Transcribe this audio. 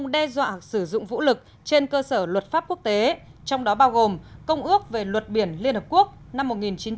đe dọa sử dụng vũ lực trên cơ sở luật pháp quốc tế trong đó bao gồm công ước về luật biển liên hợp quốc năm một nghìn chín trăm tám mươi hai